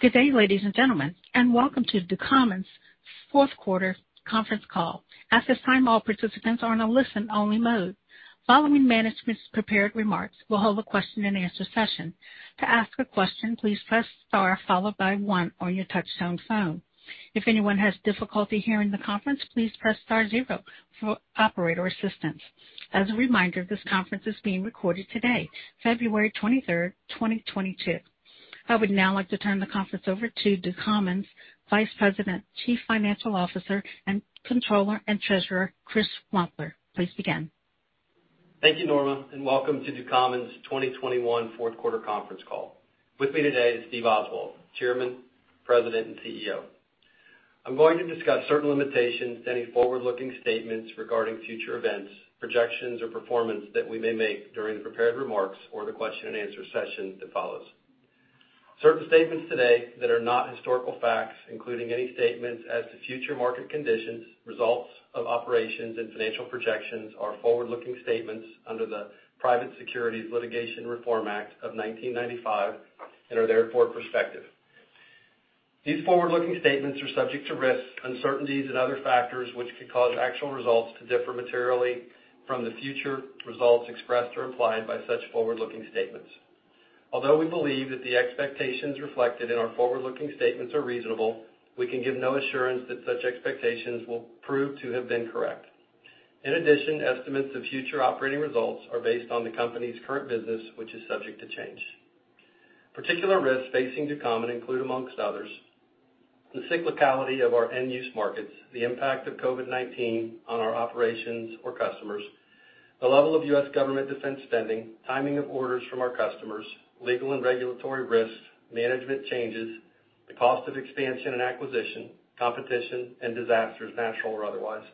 Good day, ladies and gentlemen, and welcome to Ducommun's Fourth Quarter Conference Call. At this time, all participants are in a listen-only mode. Following management's prepared remarks, we'll hold a question-and-answer session. To ask a question, please press star followed by one on your touchtone phone. If anyone has difficulty hearing the conference, please press star zero for operator assistance. As a reminder, this conference is being recorded today, February 23rd, 2022. I would now like to turn the conference over to Ducommun's Vice President, Chief Financial Officer and Controller and Treasurer, Chris Wampler. Please begin. Thank you, Norma, and welcome to Ducommun's 2021 Fourth Quarter Conference Call. With me today is Steve Oswald, Chairman, President, and CEO. I'm going to discuss certain limitations to any forward-looking statements regarding future events, projections, or performance that we may make during the prepared remarks or the question-and-answer session that follows. Certain statements today that are not historical facts, including any statements as to future market conditions, results of operations, and financial projections are forward-looking statements under the Private Securities Litigation Reform Act of 1995 and are therefore prospective. These forward-looking statements are subject to risks, uncertainties and other factors which could cause actual results to differ materially from the future results expressed or implied by such forward-looking statements. Although we believe that the expectations reflected in our forward-looking statements are reasonable, we can give no assurance that such expectations will prove to have been correct. In addition, estimates of future operating results are based on the company's current business, which is subject to change. Particular risks facing Ducommun include, among others, the cyclicality of our end-use markets, the impact of COVID-19 on our operations or customers, the level of U.S. government defense spending, timing of orders from our customers, legal and regulatory risks, management changes, the cost of expansion and acquisition, competition, and disasters, natural or otherwise.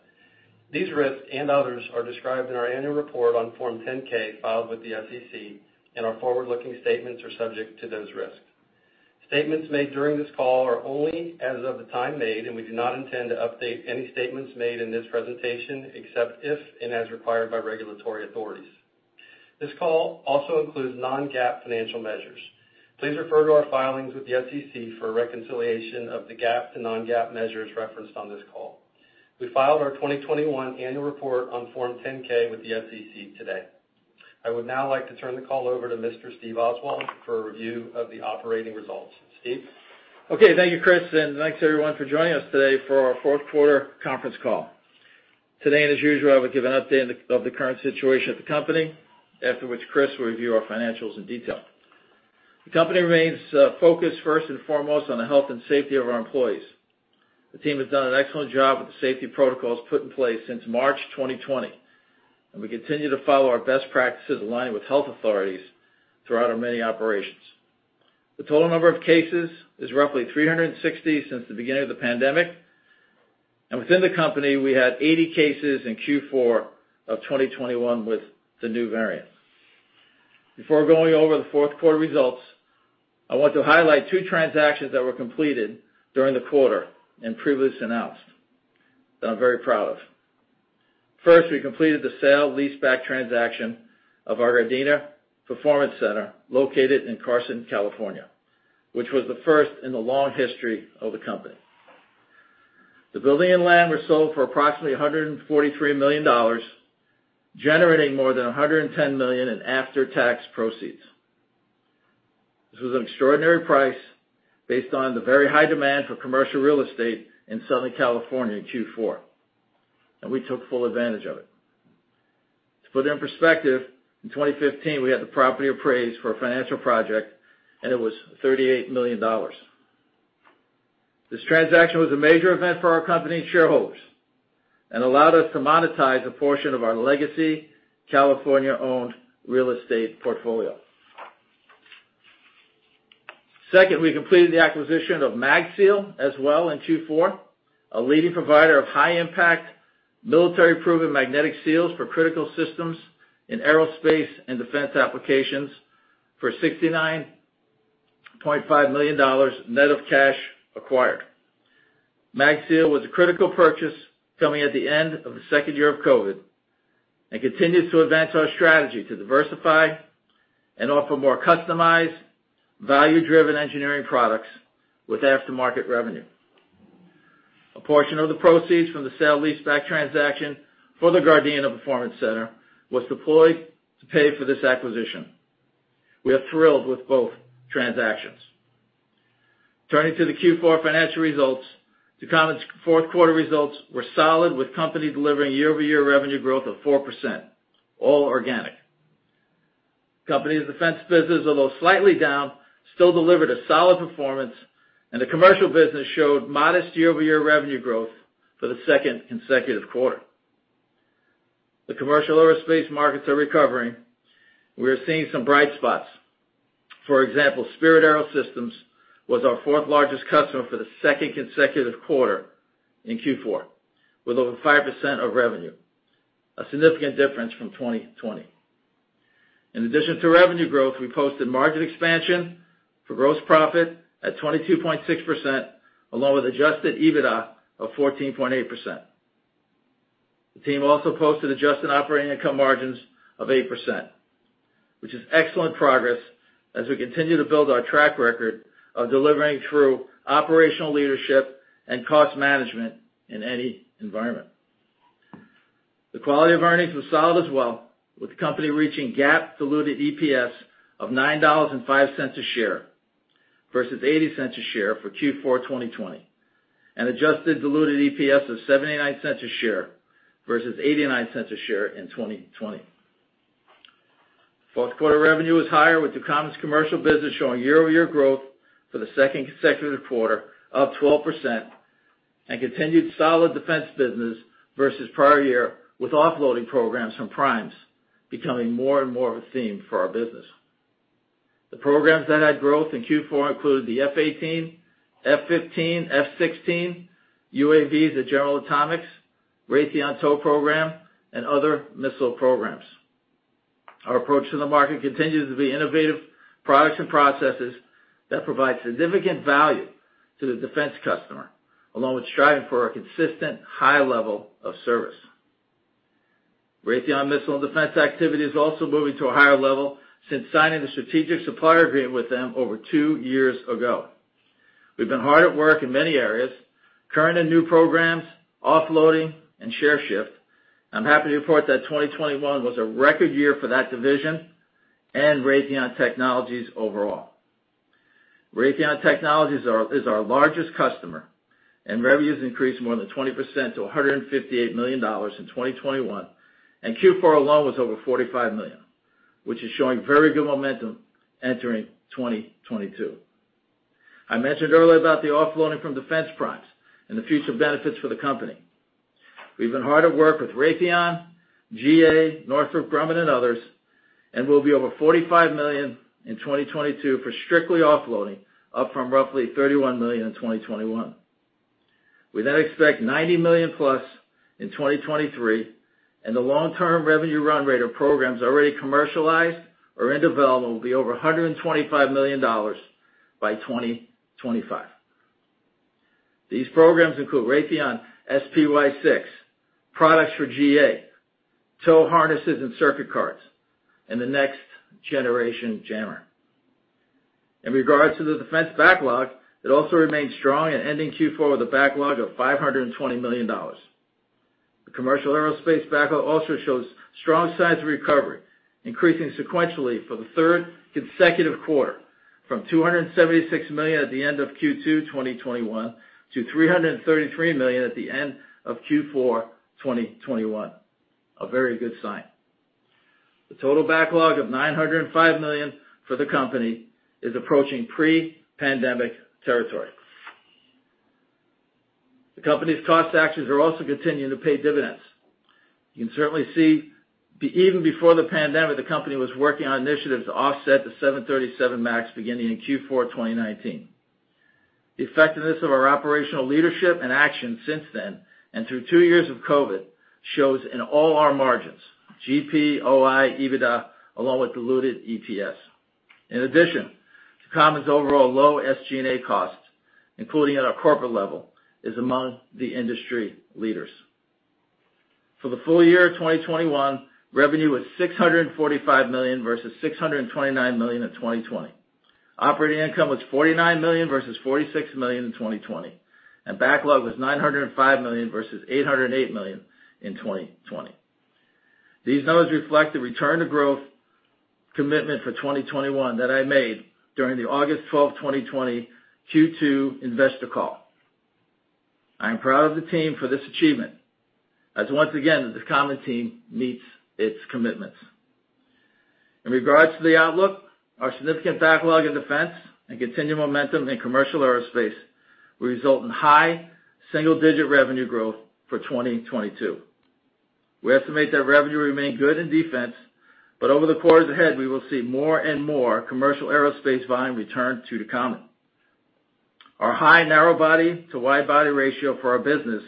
These risks and others are described in our annual report on Form 10-K filed with the SEC, and our forward-looking statements are subject to those risks. Statements made during this call are only as of the time made, and we do not intend to update any statements made in this presentation except if and as required by regulatory authorities. This call also includes non-GAAP financial measures. Please refer to our filings with the SEC for a reconciliation of the GAAP to non-GAAP measures referenced on this call. We filed our 2021 annual report on Form 10-K with the SEC today. I would now like to turn the call over to Mr. Steve Oswald for a review of the operating results. Steve? Okay. Thank you, Chris, and thanks everyone for joining us today for our fourth quarter conference call. Today, as usual, I would give an update of the current situation at the company, after which Chris will review our financials in detail. The company remains focused first and foremost on the health and safety of our employees. The team has done an excellent job with the safety protocols put in place since March 2020, and we continue to follow our best practices aligned with health authorities throughout our many operations. The total number of cases is roughly 360 since the beginning of the pandemic, and within the company, we had 80 cases in Q4 of 2021 with the new variant. Before going over the fourth quarter results, I want to highlight two transactions that were completed during the quarter and previously announced that I'm very proud of. First, we completed the sale leaseback transaction of our Gardena Performance Center located in Carson, California, which was the first in the long history of the company. The building and land were sold for approximately $143 million, generating more than $110 million in after-tax proceeds. This was an extraordinary price based on the very high demand for commercial real estate in Southern California in Q4, and we took full advantage of it. To put it in perspective, in 2015, we had the property appraised for a financial project, and it was $38 million. This transaction was a major event for our company shareholders and allowed us to monetize a portion of our legacy California-owned real estate portfolio. Second, we completed the acquisition of MagSeal as well in Q4, a leading provider of high-impact, military-proven magnetic seals for critical systems in aerospace and defense applications for $69.5 million net of cash acquired. MagSeal was a critical purchase coming at the end of the second year of COVID and continues to advance our strategy to diversify and offer more customized, value-driven engineering products with aftermarket revenue. A portion of the proceeds from the sale-leaseback transaction for the Gardena Performance Center was deployed to pay for this acquisition. We are thrilled with both transactions. Turning to the Q4 financial results, Ducommun's fourth quarter results were solid, with company delivering year-over-year revenue growth of 4%, all organic. Company's defense business, although slightly down, still delivered a solid performance, and the commercial business showed modest year-over-year revenue growth for the second consecutive quarter. The commercial aerospace markets are recovering. We are seeing some bright spots. For example, Spirit AeroSystems was our fourth largest customer for the second consecutive quarter in Q4 with over 5% of revenue, a significant difference from 2020. In addition to revenue growth, we posted margin expansion for gross profit at 22.6%, along with adjusted EBITDA of 14.8%. The team also posted adjusted operating income margins of 8%, which is excellent progress as we continue to build our track record of delivering through operational leadership and cost management in any environment. The quality of earnings was solid as well, with the company reaching GAAP diluted EPS of $9.05 a share, versus $0.80 a share for Q4 2020, and adjusted diluted EPS of $0.79 a share, versus $0.89 a share in 2020. Fourth quarter revenue was higher with Ducommun's commercial business showing year-over-year growth for the second consecutive quarter of 12% and continued solid defense business versus prior year with offloading programs from primes becoming more and more of a theme for our business. The programs that had growth in Q4 included the F-18, F-15, F-16, UAVs at General Atomics, Raytheon TOW Program, and other missile programs. Our approach to the market continues to be innovative products and processes that provide significant value to the defense customer, along with striving for a consistent high level of service. Raytheon Missiles & Defense activity is also moving to a higher level since signing the strategic supplier agreement with them over two years ago. We've been hard at work in many areas, current and new programs, offloading, and share shift. I'm happy to report that 2021 was a record year for that division and Raytheon Technologies overall. Raytheon Technologies is our largest customer, and revenues increased more than 20% to $158 million in 2021, and Q4 alone was over $45 million, which is showing very good momentum entering 2022. I mentioned earlier about the offloading from defense primes and the future benefits for the company. We've been hard at work with Raytheon, GA, Northrop Grumman, and others, and we'll be over $45 million in 2022 for strictly offloading, up from roughly $31 million in 2021. We expect $90 million-plus in 2023, and the long-term revenue run rate of programs already commercialized or in development will be over $125 million by 2025. These programs include Raytheon SPY-6, products for GA, TOW harnesses and circuit cards, and the Next Generation Jammer. In regard to the defense backlog, it also remained strong, ending Q4 with a backlog of $520 million. The commercial aerospace backlog also shows strong signs of recovery, increasing sequentially for the third consecutive quarter from $276 million at the end of Q2 2021 to $333 million at the end of Q4 2021. A very good sign. The total backlog of $905 million for the company is approaching pre-pandemic territory. The company's cost actions are also continuing to pay dividends. You can certainly see even before the pandemic, the company was working on initiatives to offset the 737 MAX beginning in Q4 2019. The effectiveness of our operational leadership and action since then and through two years of COVID shows in all our margins, GP, OI, EBITDA, along with diluted EPS. In addition, Ducommun's overall low SG&A costs, including at our corporate level, is among the industry leaders. For the full year of 2021, revenue was $645 million versus $629 million in 2020. Operating income was $49 million versus $46 million in 2020. Backlog was $905 million versus $808 million in 2020. These numbers reflect the return to growth commitment for 2021 that I made during the August 12th, 2020 Q2 investor call. I am proud of the team for this achievement, as once again, the Ducommun team meets its commitments. In regards to the outlook, our significant backlog in defense and continued momentum in commercial aerospace will result in high single-digit revenue growth for 2022. We estimate that revenue will remain good in defense, but over the quarters ahead, we will see more and more commercial aerospace volume return to Ducommun. Our high narrow-body to wide-body ratio for our business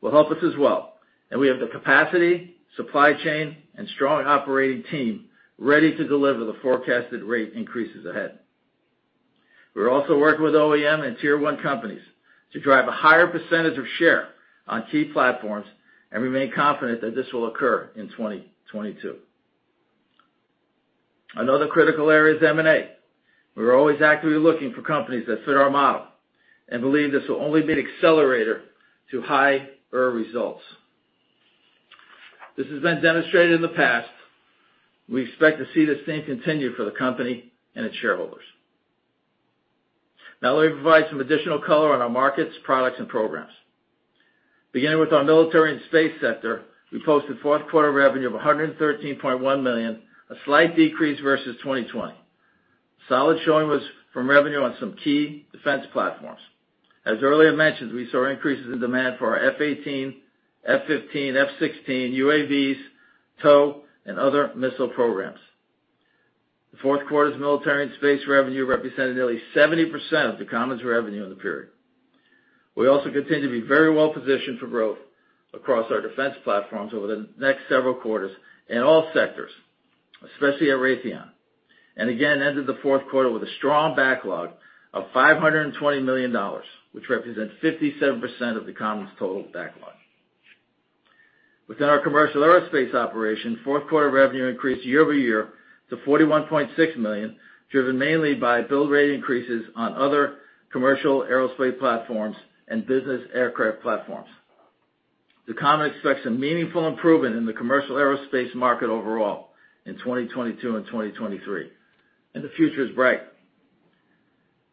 will help us as well, and we have the capacity, supply chain, and strong operating team ready to deliver the forecasted rate increases ahead. We're also working with OEM and Tier 1 companies to drive a higher percentage of share on key platforms, and remain confident that this will occur in 2022. Another critical area is M&A. We're always actively looking for companies that fit our model and believe this will only be an accelerator to higher results. This has been demonstrated in the past. We expect to see this thing continue for the company and its shareholders. Now, let me provide some additional color on our markets, products, and programs. Beginning with our military and space sector, we posted fourth quarter revenue of $113.1 million, a slight decrease versus 2020. A solid showing was from revenue on some key defense platforms. As earlier mentioned, we saw increases in demand for our F-18, F-15, F-16, UAVs, TOW, and other missile programs. The fourth quarter's military and space revenue represented nearly 70% of Ducommun's revenue in the period. We also continue to be very well-positioned for growth across our defense platforms over the next several quarters in all sectors, especially at Raytheon. Again, ended the fourth quarter with a strong backlog of $520 million, which represents 57% of the company total backlog. Within our commercial aerospace operation, fourth quarter revenue increased year-over-year to $41.6 million, driven mainly by build rate increases on other commercial aerospace platforms and business aircraft platforms. The company expects a meaningful improvement in the commercial aerospace market overall in 2022 and 2023, and the future is bright.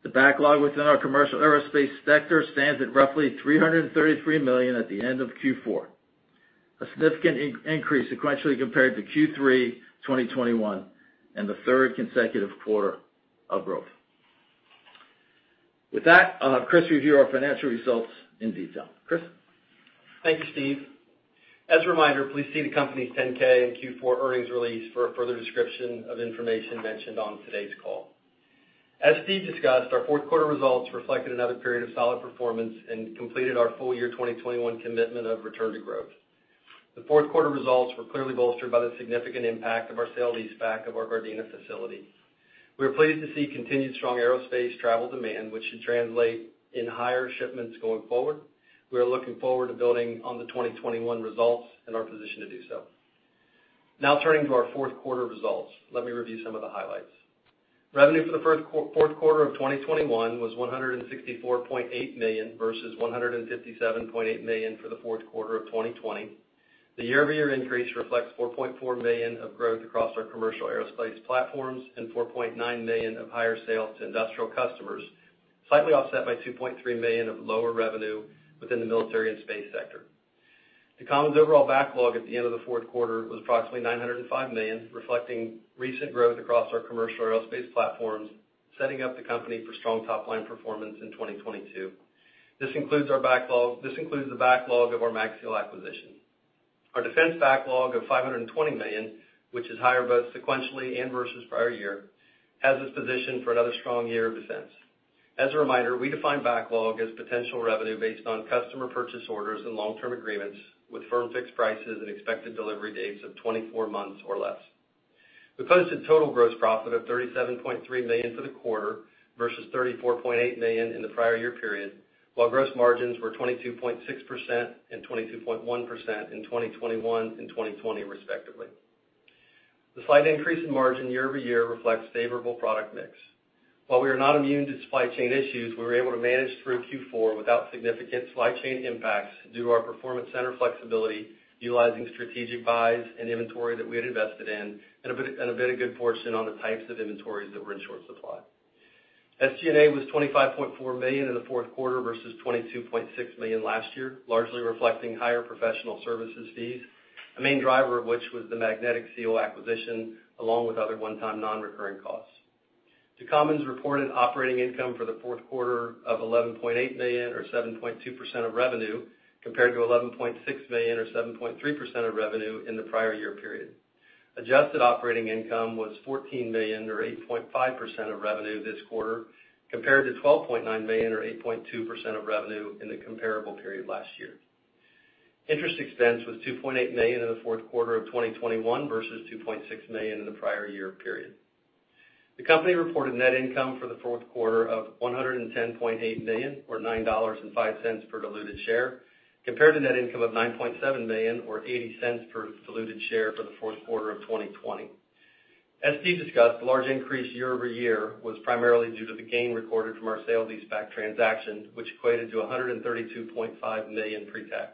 The backlog within our commercial aerospace sector stands at roughly $333 million at the end of Q4, a significant increase sequentially compared to Q3 2021 and the third consecutive quarter of growth. With that, I'll have Chris review our financial results in detail. Chris? Thank you, Steve. As a reminder, please see the company's 10-K and Q4 earnings release for a further description of information mentioned on today's call. As Steve discussed, our fourth quarter results reflected another period of solid performance and completed our full year 2021 commitment of return to growth. The fourth quarter results were clearly bolstered by the significant impact of our sale leaseback of our Gardena facility. We are pleased to see continued strong aerospace travel demand, which should translate in higher shipments going forward. We are looking forward to building on the 2021 results and are positioned to do so. Now turning to our fourth quarter results. Let me review some of the highlights. Revenue for the fourth quarter of 2021 was $164.8 million versus $157.8 million for the fourth quarter of 2020. The year-over-year increase reflects $4.4 million of growth across our commercial aerospace platforms and $4.9 million of higher sales to industrial customers, slightly offset by $2.3 million of lower revenue within the military and space sector. Ducommun's overall backlog at the end of the fourth quarter was approximately $905 million, reflecting recent growth across our commercial aerospace platforms, setting up the company for strong top line performance in 2022. This includes the backlog of our MagSeal acquisition. Our defense backlog of $520 million, which is higher both sequentially and versus prior year, has us positioned for another strong year of defense. As a reminder, we define backlog as potential revenue based on customer purchase orders and long-term agreements with firm fixed prices and expected delivery dates of 24 months or less. We posted total gross profit of $37.3 million for the quarter versus $34.8 million in the prior year period, while gross margins were 22.6% and 22.1% in 2021 and 2020 respectively. The slight increase in margin year-over-year reflects favorable product mix. While we are not immune to supply chain issues, we were able to manage through Q4 without significant supply chain impacts due to our performance center flexibility, utilizing strategic buys and inventory that we had invested in, and a bit of good fortune on the types of inventories that were in short supply. SG&A was $25.4 million in the fourth quarter versus $22.6 million last year, largely reflecting higher professional services fees, a main driver of which was the Magnetic Seal acquisition, along with other one-time non-recurring costs. Ducommun reported operating income for the fourth quarter of $11.8 million or 7.2% of revenue, compared to $11.6 million or 7.3% of revenue in the prior year period. Adjusted operating income was $14 million or 8.5% of revenue this quarter, compared to $12.9 million or 8.2% of revenue in the comparable period last year. Interest expense was $2.8 million in the fourth quarter of 2021 versus $2.6 million in the prior year period. The company reported net income for the fourth quarter of $110.8 million, or $9.05 per diluted share, compared to net income of $9.7 million or $0.80 per diluted share for the fourth quarter of 2020. As Steve discussed, the large increase year-over-year was primarily due to the gain recorded from our sale leaseback transaction, which equated to $132.5 million pre-tax.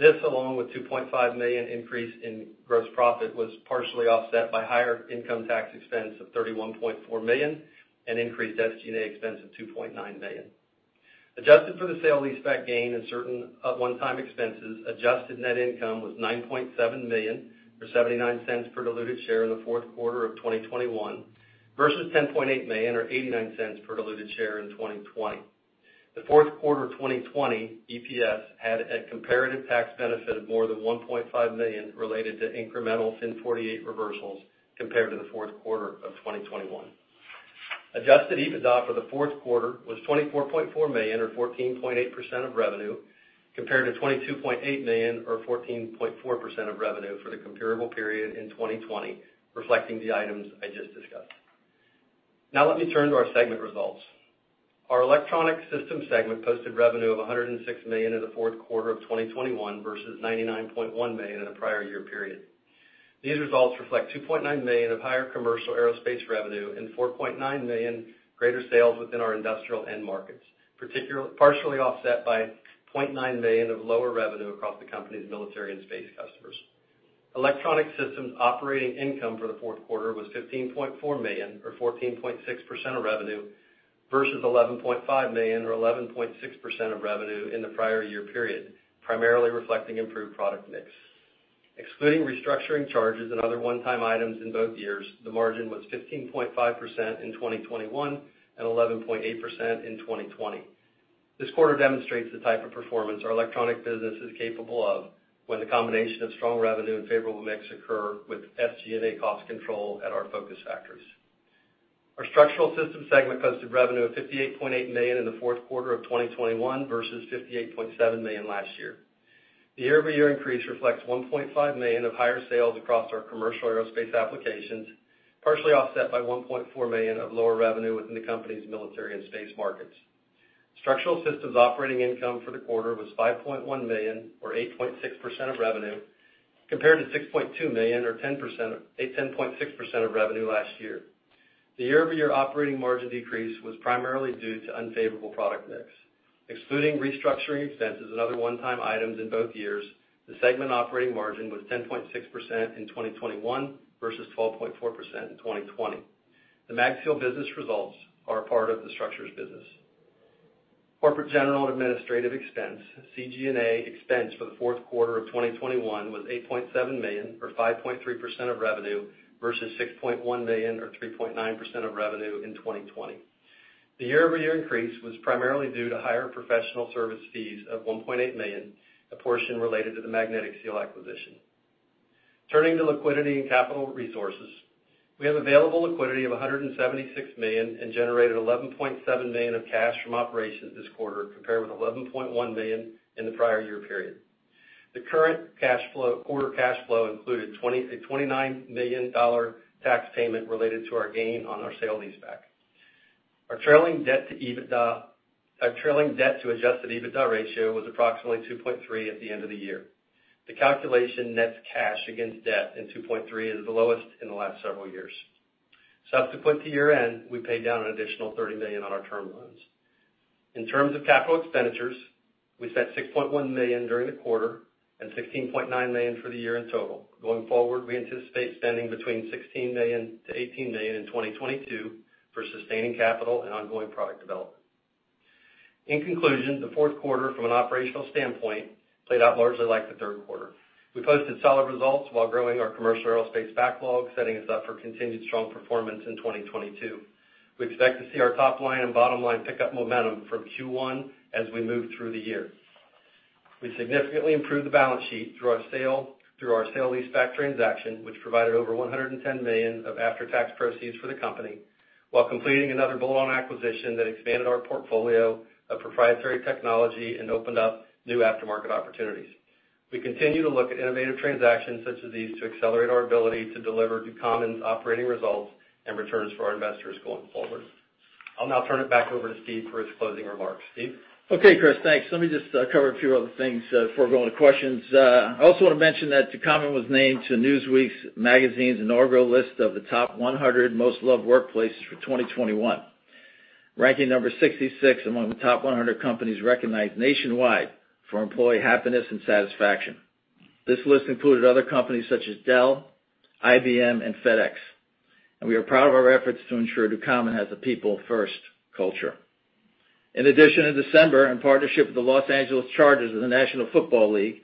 This, along with $2.5 million increase in gross profit, was partially offset by higher income tax expense of $31.4 million and increased SG&A expense of $2.9 million. Adjusted for the sale leaseback gain and certain, one-time expenses, adjusted net income was $9.7 million, or $0.79 per diluted share in the fourth quarter of 2021, versus $10.8 million or $0.89 per diluted share in 2020. The fourth quarter 2020 EPS had a comparative tax benefit of more than $1.5 million related to incremental FIN 48 reversals compared to the fourth quarter of 2021. Adjusted EBITDA for the fourth quarter was $24.4 million or 14.8% of revenue, compared to $22.8 million or 14.4% of revenue for the comparable period in 2020, reflecting the items I just discussed. Now let me turn to our segment results. Our Electronic Systems segment posted revenue of $106 million in the fourth quarter of 2021 versus $99.1 million in the prior year period. These results reflect $2.9 million of higher commercial aerospace revenue and $4.9 million greater sales within our industrial end markets, partially offset by $0.9 million of lower revenue across the company's military and space customers. Electronic Systems operating income for the fourth quarter was $15.4 million or 14.6% of revenue, versus $11.5 million or 11.6% of revenue in the prior year period, primarily reflecting improved product mix. Excluding restructuring charges and other one-time items in both years, the margin was 15.5% in 2021 and 11.8% in 2020. This quarter demonstrates the type of performance our electronic business is capable of when the combination of strong revenue and favorable mix occur with SG&A cost control at our focus factors. Our Structural Systems segment posted revenue of $58.8 million in the fourth quarter of 2021 versus $58.7 million last year. The year-over-year increase reflects $1.5 million of higher sales across our commercial aerospace applications, partially offset by $1.4 million of lower revenue within the company's military and space markets. Structural Systems operating income for the quarter was $5.1 million or 8.6% of revenue, compared to $6.2 million or 10.6% of revenue last year. The year-over-year operating margin decrease was primarily due to unfavorable product mix. Excluding restructuring expenses and other one-time items in both years, the segment operating margin was 10.6% in 2021 versus 12.4% in 2020. The MagSeal business results are a part of the structures business. Corporate general and administrative expense, CG&A, for the fourth quarter of 2021 was $8.7 million, or 5.3% of revenue, versus $6.1 million or 3.9% of revenue in 2020. The year-over-year increase was primarily due to higher professional service fees of $1.8 million, a portion related to the Magnetic Seal acquisition. Turning to liquidity and capital resources. We have available liquidity of $176 million and generated $11.7 million of cash from operations this quarter, compared with $11.1 million in the prior year period. The current quarter cash flow included $29 million tax payment related to our gain on our sale leaseback. Our trailing debt to adjusted EBITDA ratio was approximately 2.3 at the end of the year. The calculation nets cash against debt, and 2.3 is the lowest in the last several years. Subsequent to year-end, we paid down an additional $30 million on our term loans. In terms of capital expenditures, we spent $6.1 million during the quarter and $16.9 million for the year in total. Going forward, we anticipate spending between $16 million-$18 million in 2022 for sustaining capital and ongoing product development. In conclusion, the fourth quarter from an operational standpoint played out largely like the third quarter. We posted solid results while growing our commercial aerospace backlog, setting us up for continued strong performance in 2022. We expect to see our top line and bottom line pick up momentum from Q1 as we move through the year. We significantly improved the balance sheet through our sale leaseback transaction, which provided over $110 million of after-tax proceeds for the company, while completing another bolt-on acquisition that expanded our portfolio of proprietary technology and opened up new aftermarket opportunities. We continue to look at innovative transactions such as these to accelerate our ability to deliver Ducommun's operating results and returns for our investors going forward. I'll now turn it back over to Steve for his closing remarks. Steve? Okay, Chris, thanks. Let me just cover a few other things before we go into questions. I also wanna mention that Ducommun was named to Newsweek's magazine's inaugural list of the Top 100 Most Loved Workplaces for 2021, ranking number 66 among the top 100 companies recognized nationwide for employee happiness and satisfaction. This list included other companies such as Dell, IBM, and FedEx, and we are proud of our efforts to ensure Ducommun has a people-first culture. In addition, in December, in partnership with the Los Angeles Chargers of the National Football League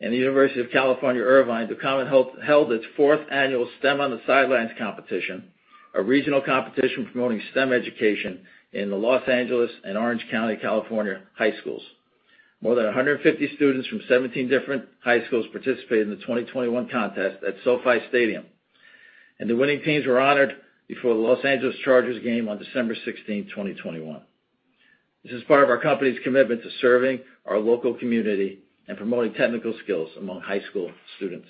and the University of California, Irvine, Ducommun held its fourth annual STEM on the Sidelines competition, a regional competition promoting STEM education in the Los Angeles and Orange County, California, high schools. More than 150 students from 17 different high schools participated in the 2021 contest at SoFi Stadium, and the winning teams were honored before the Los Angeles Chargers game on December sixteenth, 2021. This is part of our company's commitment to serving our local community and promoting technical skills among high school students.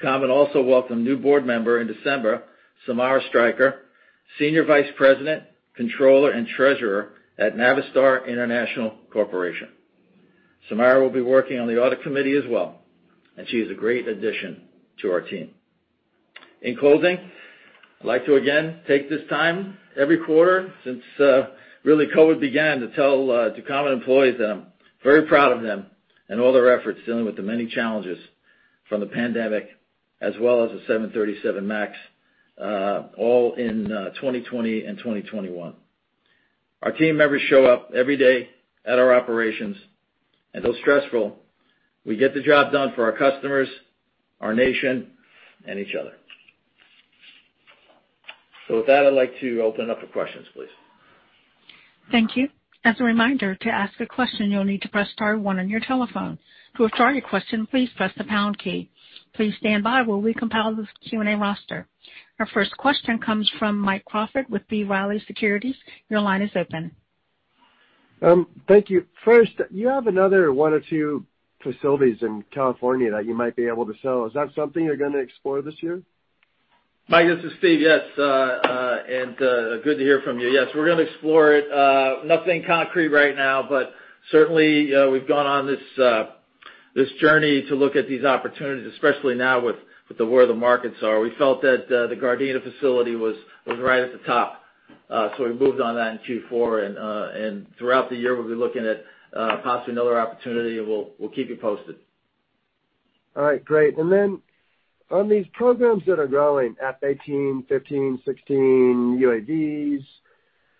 Ducommun also welcomed a new board member in December, Samara Strycker, Senior Vice President, Controller, and Treasurer at Navistar International Corporation. Samara will be working on the audit committee as well, and she is a great addition to our team. In closing, I'd like to again take this time every quarter since really COVID began to tell Ducommun employees that I'm very proud of them and all their efforts dealing with the many challenges from the pandemic as well as the 737 MAX all in 2020 and 2021. Our team members show up every day at our operations, and though stressful, we get the job done for our customers, our nation, and each other. With that, I'd like to open up for questions, please. Thank you. As a reminder, to ask a question, you'll need to press star one on your telephone. To withdraw your question, please press the pound key. Please stand by while we compile this Q&A roster. Our first question comes from Mike Crawford with B Riley Securities. Your line is open. Thank you. First, you have another one or two facilities in California that you might be able to sell. Is that something you're gonna explore this year? Mike, this is Steve. Yes, and good to hear from you. Yes, we're gonna explore it. Nothing concrete right now, but certainly, we've gone on this journey to look at these opportunities, especially now with the way the markets are. We felt that the Gardena facility was right at the top. We moved on that in Q4, and throughout the year we'll be looking at possibly another opportunity, and we'll keep you posted. All right, great. On these programs that are growing, F-18, F-15, F-16, UAVs,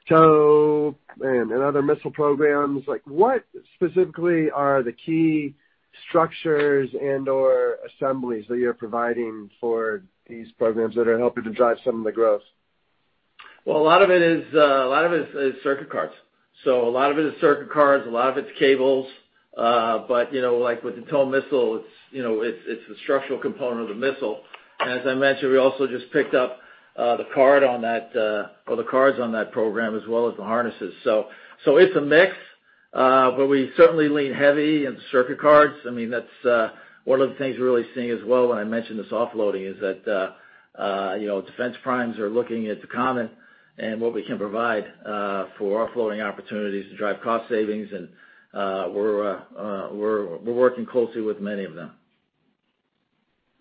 TOW and other missile programs, like, what specifically are the key structures and/or assemblies that you're providing for these programs that are helping to drive some of the growth? Well, a lot of it is circuit cards. A lot of it is circuit cards, a lot of it's cables. But you know, like with the TOW missile, it's the structural component of the missile. As I mentioned, we also just picked up the cards on that program as well as the harnesses. It's a mix, but we certainly lean heavy in circuit cards. I mean, that's one of the things we're really seeing as well when I mention this offloading is that you know, defense primes are looking at Ducommun and what we can provide for offloading opportunities to drive cost savings and we're working closely with many of them.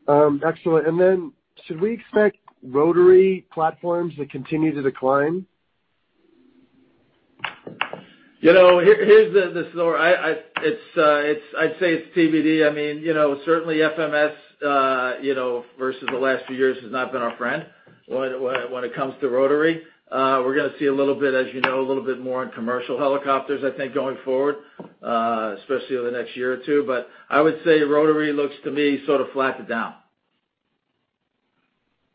Excellent. Should we expect rotary platforms to continue to decline? You know, here's the story. I'd say it's TBD. I mean, you know, certainly FMS versus the last few years has not been our friend when it comes to rotary. We're gonna see a little bit, as you know, a little bit more in commercial helicopters, I think, going forward, especially over the next year or two. I would say rotary looks to me sort of flat to down.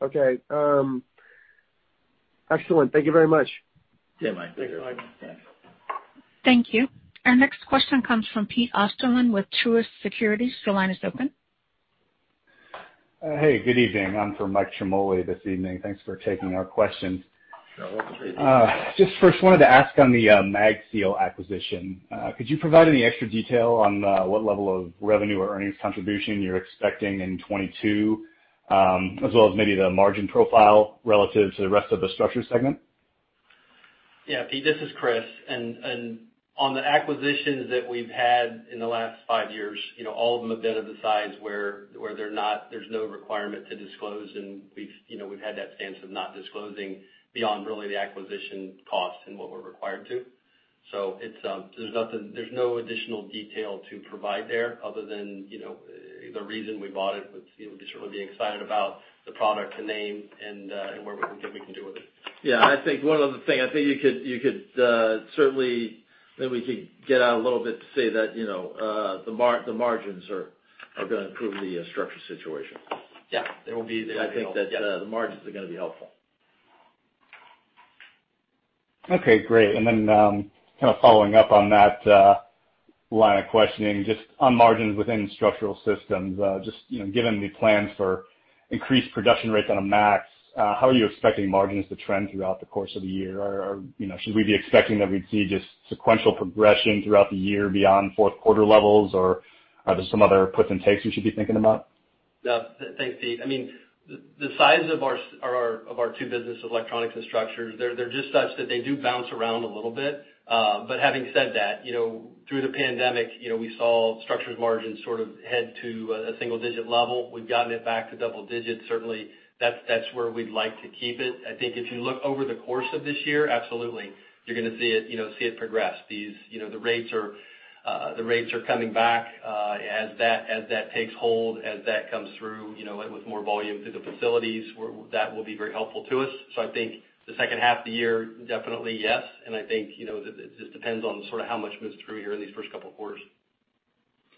Okay. Excellent. Thank you very much. Yeah. Bye. Thank you. Bye-bye. Thank you. Our next question comes from Pete Osterland with Truist Securities. Your line is open. Hey, good evening. I'm Mike Ciarmoli this evening. Thanks for taking our questions. Sure. Just first wanted to ask on the MagSeal acquisition, could you provide any extra detail on what level of revenue or earnings contribution you're expecting in 2022, as well as maybe the margin profile relative to the rest of the structure segment? Yeah, Pete, this is Chris. On the acquisitions that we've had in the last five years, you know, all of them have been of the size where they're not, there's no requirement to disclose, and we've, you know, we've had that stance of not disclosing beyond really the acquisition cost and what we're required to. It's, there's no additional detail to provide there other than, you know, the reason we bought it was, you know, we're certainly excited about the product, the name, and where we can do with it. Yeah. I think one other thing. You could certainly maybe we could get out a little bit to say that, you know, the margins are gonna improve the structural situation. Yeah. They will be. I think that the margins are gonna be helpful. Okay, great. Kind of following up on that, line of questioning, just on margins within structural systems, just, you know, given the plans for increased production rates on a MAX, how are you expecting margins to trend throughout the course of the year? Or, you know, should we be expecting that we'd see just sequential progression throughout the year beyond fourth quarter levels, or are there some other puts and takes we should be thinking about? Yeah. Thanks, Pete. I mean, the size of our two businesses, Electronics and Structures, they're just such that they do bounce around a little bit. But having said that, you know, through the pandemic, you know, we saw Structures margins sort of head to a single digit level. We've gotten it back to double digits. Certainly, that's where we'd like to keep it. I think if you look over the course of this year, absolutely, you're gonna see it, you know, see it progress. These, you know, the rates are coming back. As that takes hold, as that comes through, you know, with more volume through the facilities, that will be very helpful to us. I think the second half of the year, definitely, yes. I think, you know, it just depends on sort of how much moves through here in these first couple quarters.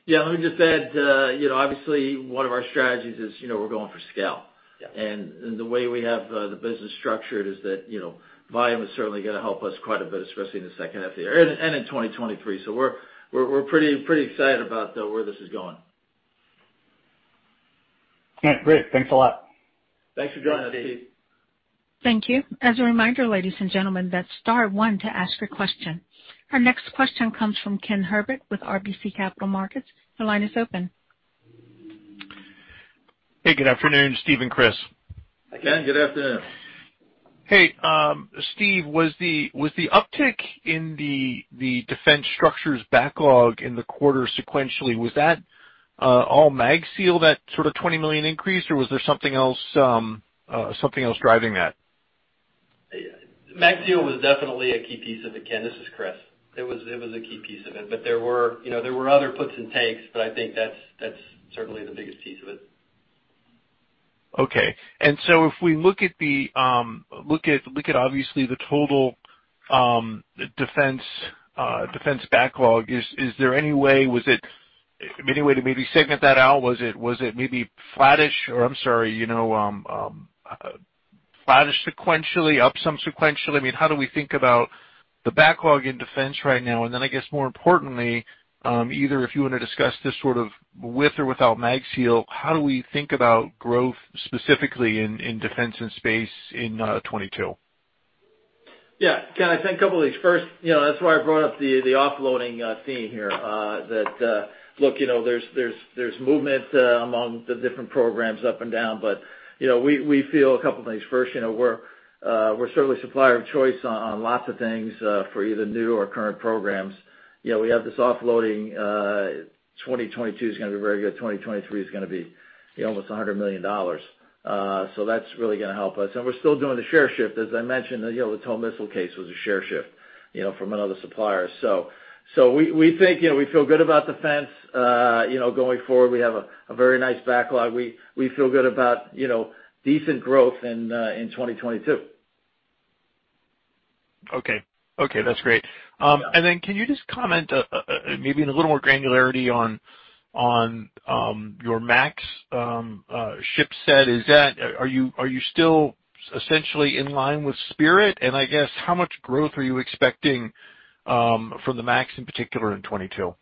Yeah. Let me just add, you know, obviously one of our strategies is, you know, we're going for scale. Yeah. The way we have the business structured is that, you know, volume is certainly gonna help us quite a bit, especially in the second half of the year, and in 2023. We're pretty excited about where this is going. All right. Great. Thanks a lot. Thanks for joining us, Pete. Thanks, Pete. Thank you. As a reminder, ladies and gentlemen, that's star one to ask your question. Our next question comes from Ken Herbert with RBC Capital Markets. Your line is open. Hey, good afternoon, Steve and Chris. Hi, Ken. Ken, good afternoon. Hey, Steve, was the uptick in the defense structures backlog in the quarter sequentially, was that all MagSeal, that sort of $20 million increase, or was there something else driving that? MagSeal was definitely a key piece of it, Ken. This is Chris. It was a key piece of it. But there were, you know, other puts and takes, but I think that's certainly the biggest piece of it. Okay. If we look at obviously the total defense backlog, is there any way to maybe segment that out? Was it maybe flattish or, I'm sorry, you know, flattish sequentially, up some sequentially? I mean, how do we think about the backlog in defense right now? Then I guess more importantly, either if you wanna discuss this sort of with or without MagSeal, how do we think about growth specifically in defense and space in 2022? Yeah. Ken, I think a couple of things. First, you know, that's why I brought up the offloading theme here, that you know, there's movement among the different programs up and down, but you know, we feel a couple things. First, you know, we're certainly supplier of choice on lots of things for either new or current programs. You know, we have this offloading, 2022 is gonna be very good, 2023 is gonna be, you know, almost $100 million. So that's really gonna help us. We're still doing the share shift. As I mentioned, you know, the TOW missile case was a share shift, you know, from another supplier. So we think, you know, we feel good about defense going forward. We have a very nice backlog. We feel good about, you know, decent growth in 2022. Okay. Okay, that's great. Can you just comment, maybe in a little more granularity on your MAX ship set? Are you still essentially in line with Spirit? I guess how much growth are you expecting from the MAX in particular in 2022?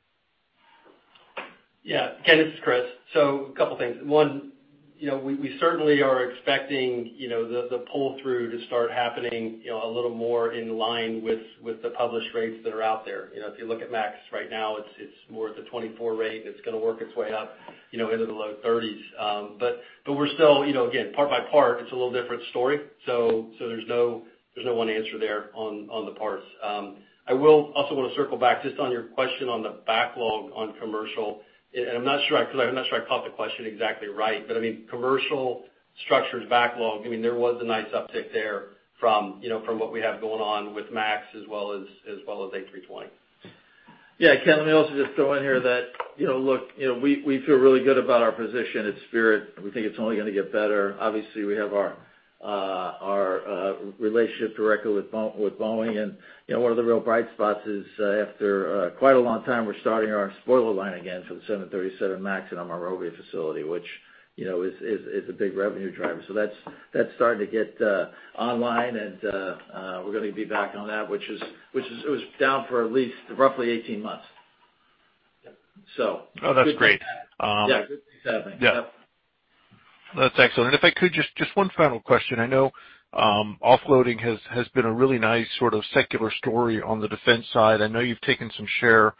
Yeah. Ken, this is Chris. Couple things. One, you know, we certainly are expecting, you know, the pull through to start happening, you know, a little more in line with the published rates that are out there. You know, if you look at MAX right now, it's more at the 24 rate, and it's gonna work its way up, you know, into the low 30s. But we're still, you know, again, part by part, it's a little different story. So there's no one answer there on the parts. I will also wanna circle back just on your question on the backlog on commercial. I'm not sure I caught the question exactly right. I mean, commercial structured backlog. I mean, there was a nice uptick there from, you know, from what we have going on with MAX as well as A320. Ken, let me also just throw in here that, you know, look, you know, we feel really good about our position at Spirit, and we think it's only gonna get better. Obviously, we have our relationship directly with Boeing. You know, one of the real bright spots is, after quite a long time, we're starting our spoiler line again for the 737 MAX at our Monrovia facility, which, you know, is a big revenue driver. That's starting to get online, and we're gonna be back on that, which is. It was down for at least roughly 18 months. Yep. So- Oh, that's great. Yeah, good things happening. Yeah. That's excellent. If I could, just one final question. I know offloading has been a really nice sort of secular story on the defense side. I know you've taken some share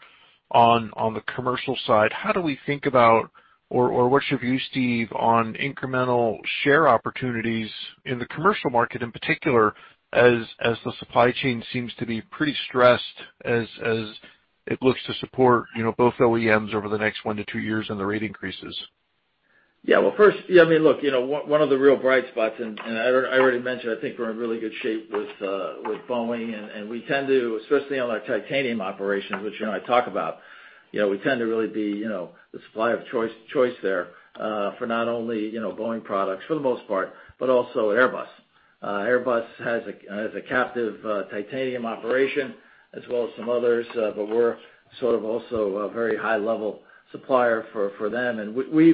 on the commercial side. How do we think about, or what's your view, Steve, on incremental share opportunities in the commercial market, in particular, as the supply chain seems to be pretty stressed as it looks to support, you know, both OEMs over the next one to two years and the rate increases? Yeah. Well, first, yeah, I mean, look, you know, one of the real bright spots, and I already mentioned I think we're in really good shape with Boeing. We tend to, especially on our titanium operations, which, you know, I talk about, you know, we tend to really be, you know, the supplier of choice there, for not only, you know, Boeing products for the most part, but also Airbus. Airbus has a captive titanium operation as well as some others. We're sort of also a very high level supplier for them. We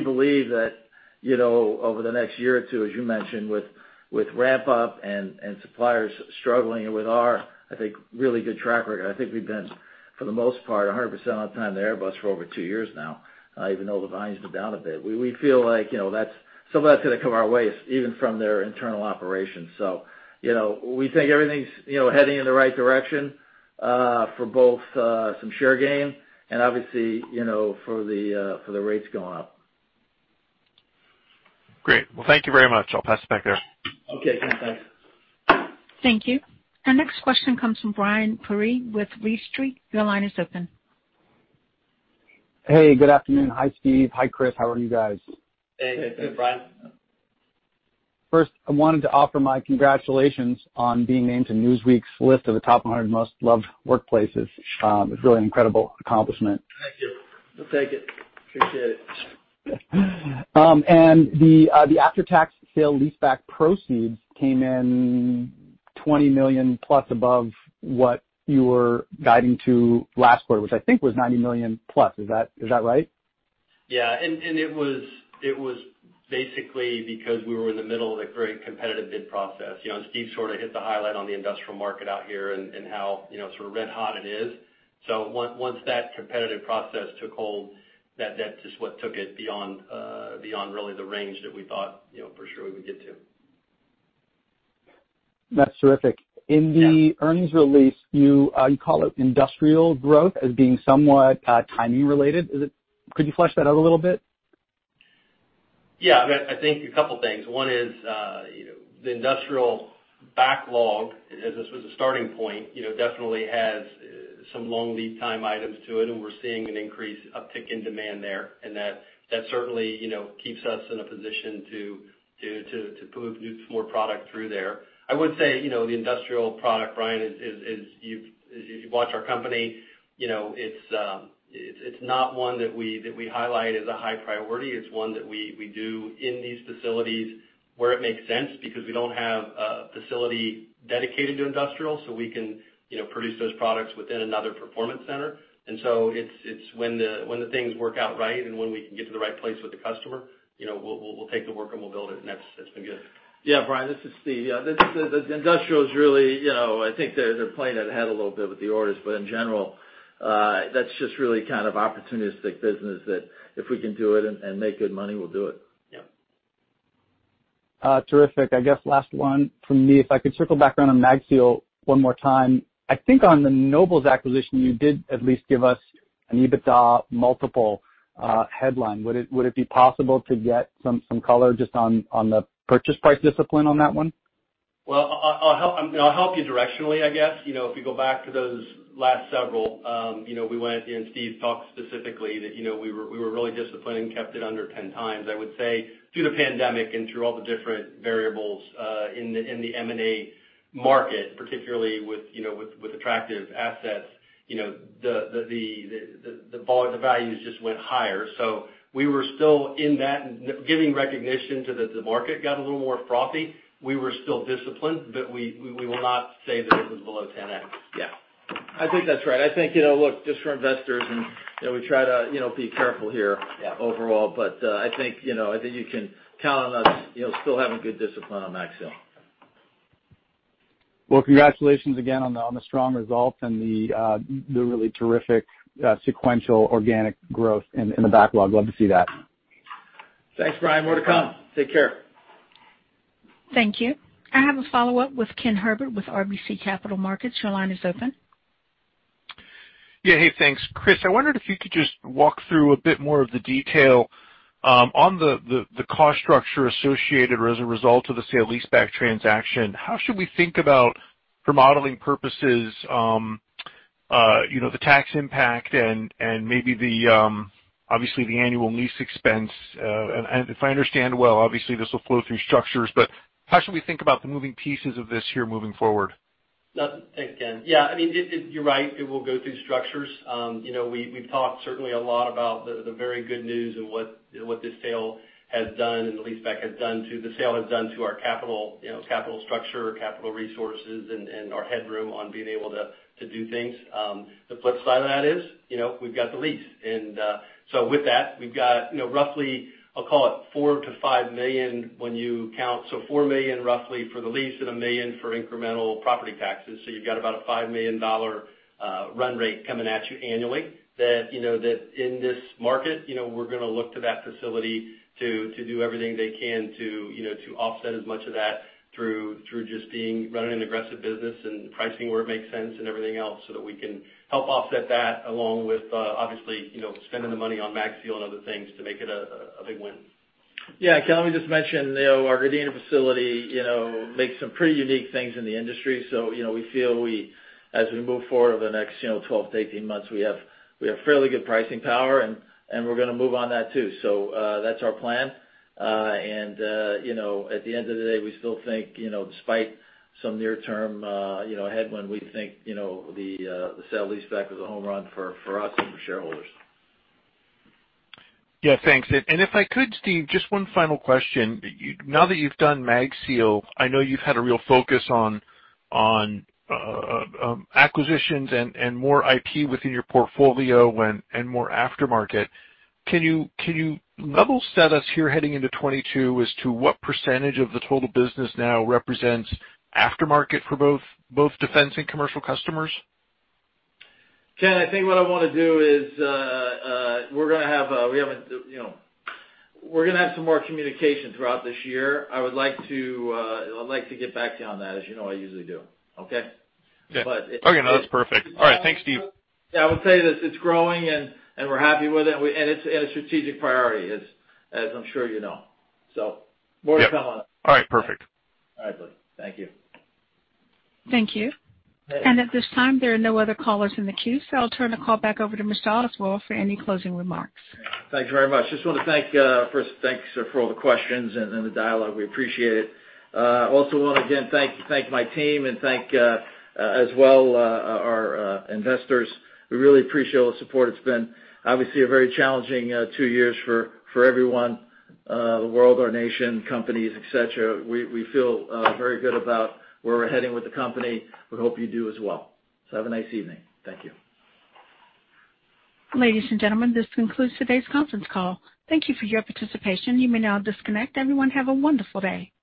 believe that, you know, over the next year or two, as you mentioned, with ramp up and suppliers struggling, and with our, I think, really good track record, I think we've been, for the most part, 100% on time to Airbus for over two years now, even though the volume's been down a bit. We feel like, you know, that's some of that's gonna come our way even from their internal operations. You know, we think everything's, you know, heading in the right direction, for both some share gain and obviously, you know, for the rates going up. Great. Well, thank you very much. I'll pass it back there. Okay. Thanks. Thank you. Our next question comes from Brian Paree with Leede Street. Your line is open. Hey, good afternoon. Hi, Steve. Hi, Chris. How are you guys? Hey. Good, Brian. First, I wanted to offer my congratulations on being named to Newsweek's list of the Top 100 Most Loved Workplaces. It's really an incredible accomplishment. Thank you. We'll take it. Appreciate it. The after-tax sale-leaseback proceeds came in $20 million plus above what you were guiding to last quarter, which I think was $90 million plus. Is that right? Yeah. It was basically because we were in the middle of a very competitive bid process. You know, Steve sort of hit the highlight on the industrial market out here and how, you know, sort of red-hot it is. Once that competitive process took hold, that's just what took it beyond really the range that we thought, you know, for sure we would get to. That's terrific. Yeah. In the earnings release, you call it industrial growth as being somewhat timing related. Could you flesh that out a little bit? Yeah. I mean, I think a couple things. One is, you know, the industrial backlog, as this was a starting point, you know, definitely has some long lead time items to it, and we're seeing an uptick in demand there. That certainly, you know, keeps us in a position to move more product through there. I would say, you know, the industrial product, Brian, is. If you watch our company, you know, it's not one that we highlight as a high priority. It's one that we do in these facilities where it makes sense because we don't have a facility dedicated to industrial, so we can, you know, produce those products within another performance center. It's when the things work out right and when we can get to the right place with the customer, you know, we'll take the work, and we'll build it, and that's been good. Yeah, Brian, this is Steve. Yeah, the industrial is really, you know, I think they're playing it ahead a little bit with the orders. In general, that's just really kind of opportunistic business that if we can do it and make good money, we'll do it. Yeah. Terrific. I guess last one from me. If I could circle back around on MagSeal one more time. I think on the Nobles acquisition, you did at least give us an EBITDA multiple, headline. Would it be possible to get some color just on the purchase price discipline on that one? Well, I'll help you directionally, I guess. You know, if you go back to those last several, you know, we went and Steve talked specifically that, you know, we were really disciplined and kept it under 10x. I would say through the pandemic and through all the different variables in the M&A market, particularly with attractive assets, you know, the values just went higher. We were still in that giving recognition to the market got a little more frothy. We were still disciplined, but we will not say that it was below 10x. Yeah. I think that's right. I think, you know, look, just for investors and, you know, we try to, you know, be careful here overall. Yeah I think, you know, you can count on us, you know, still having good discipline on MagSeal. Well, congratulations again on the strong results and the really terrific sequential organic growth in the backlog. Love to see that. Thanks, Brian. More to come. Take care. Thank you. I have a follow-up with Ken Herbert with RBC Capital Markets. Your line is open. Yeah. Hey, thanks. Chris, I wondered if you could just walk through a bit more of the detail on the cost structure associated as a result of the sale-leaseback transaction. How should we think about, for modeling purposes, you know, the tax impact and maybe obviously the annual lease expense? If I understand well, obviously this will flow through structures, but how should we think about the moving pieces of this here moving forward? Nothing. Thanks, Ken. Yeah. I mean, it. You're right, it will go through structures. You know, we've talked certainly a lot about the very good news and what this sale has done and the leaseback has done to our capital, you know, capital structure or capital resources and our headroom on being able to do things. The flip side of that is, you know, we've got the lease. With that, we've got, you know, roughly, I'll call it $4-$5 million when you count. $4 million roughly for the lease and $1 million for incremental property taxes. You've got about a $5 million run rate coming at you annually that in this market we're gonna look to that facility to do everything they can to offset as much of that through just being running an aggressive business and pricing where it makes sense and everything else so that we can help offset that along with obviously you know spending the money on MagSeal and other things to make it a big win. Yeah. Ken, let me just mention you know our Gardena facility you know makes some pretty unique things in the industry. You know, we feel we as we move forward over the next you know 12-18 months we have fairly good pricing power and we're gonna move on that too. That's our plan. You know, at the end of the day, we still think, you know, despite some near-term headwind, we think, you know, the sale-leaseback was a home run for us and for shareholders. Yeah, thanks. If I could, Steve, just one final question. You now that you've done MagSeal, I know you've had a real focus on acquisitions and more IP within your portfolio and more aftermarket. Can you level set us here heading into 2022 as to what percentage of the total business now represents aftermarket for both defense and commercial customers? Ken, I think what I wanna do is we're gonna have some more communication throughout this year. I would like to get back to you on that as you know I usually do. Okay? Yeah. But it's- Okay, no, that's perfect. All right. Thanks, Steve. Yeah, I will tell you this, it's growing and we're happy with it. It's a strategic priority as I'm sure you know. More to come on. Yep. All right, perfect. All right. Bye-bye. Thank you. Thank you. Yeah. At this time, there are no other callers in the queue, so I'll turn the call back over to Mr. Oswald for any closing remarks. Thanks very much. Just wanna thank first, thanks for all the questions and then the dialogue. We appreciate it. Also wanna again thank my team and thank as well our investors. We really appreciate all the support. It's been obviously a very challenging two years for everyone, the world, our nation, companies, et cetera. We feel very good about where we're heading with the company. We hope you do as well. Have a nice evening. Thank you. Ladies and gentlemen, this concludes today's conference call. Thank you for your participation. You may now disconnect. Everyone, have a wonderful day.